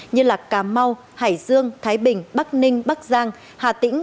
như cà mau hải dương thái bình bắc ninh bắc giang hà tĩnh